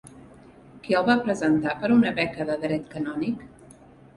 Qui el va presentar per a una beca de dret canònic?